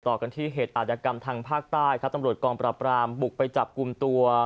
ต่อกันที่เหตุอาจกรรมทางภาคใต้ครับตำรวจกองปราบรามบุกไปจับกลุ่มตัว